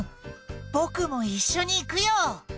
僕もいっしょに行くよ。